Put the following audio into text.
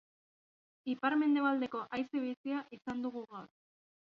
Ipar-mendebaldeko haize bizia izan dugu gaur.